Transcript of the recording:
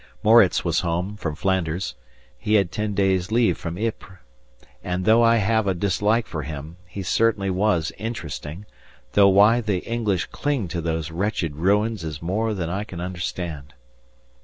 Moritz was home from Flanders. He had ten days' leave from Ypres, and, though I have a dislike for him, he certainly was interesting, though why the English cling to those wretched ruins is more than I can understand.